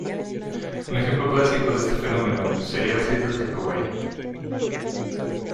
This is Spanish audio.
Un ejemplo clásico de este fenómeno sería las islas de Hawái.